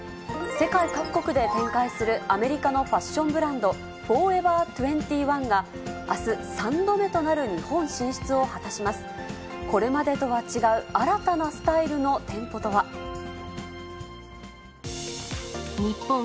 世界各国で展開するアメリカのファッションブランド、フォーエバー２１があす、３度目となる日本進出を果たします。